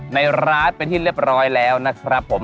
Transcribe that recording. ในร้านเป็นที่เรียบร้อยแล้วนะครับผม